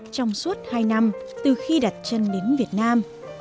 trong suốt hai năm từ khi đặt chân đến việt nam